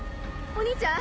お兄ちゃん！